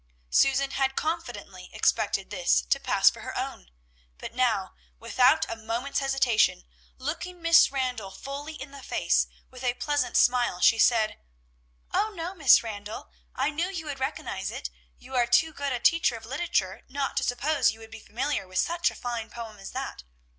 Susan had confidently expected this to pass for her own; but now, without a moment's hesitation, looking Miss Randall fully in the face, with a pleasant smile she said, "Oh, no, Miss Randall! I knew you would recognize it; you are too good a teacher of literature not to suppose you would be familiar with such a fine poem as that.